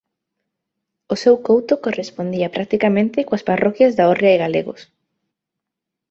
O seu couto correspondía practicamente coas parroquias da Órrea e Galegos.